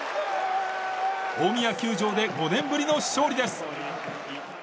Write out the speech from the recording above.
大宮球場で５年ぶりの勝利です。